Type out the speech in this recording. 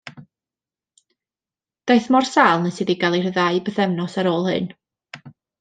Daeth mor sâl nes iddi gael ei rhyddhau bythefnos ar ôl hyn.